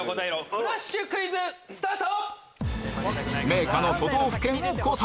フラッシュクイズスタート！